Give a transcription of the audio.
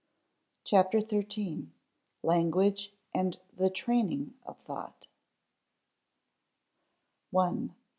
CHAPTER THIRTEEN LANGUAGE AND THE TRAINING OF THOUGHT § 1.